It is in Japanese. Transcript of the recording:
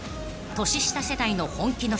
年下世代の本気の主張］